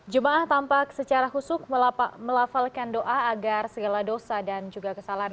jemaah tampak secara husuk melafalkan doa agar segala dosa dan juga kesalahan